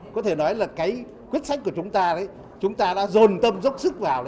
có thể nói là cái quyết sách của chúng ta đấy chúng ta đã dồn tâm dốc sức vào